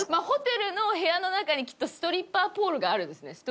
ホテルの部屋の中にきっとストリッパーポールがあるんですね